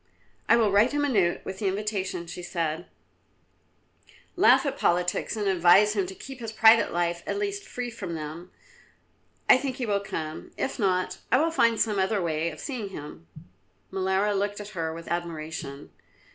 "I will write him a note with the invitation," she said, "laugh at politics and advise him to keep his private life at least free from them. I think he will come; if not, I will find some other way of seeing him." Molara looked at her with admiration.